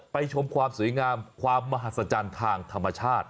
ชมความสวยงามความมหัศจรรย์ทางธรรมชาติ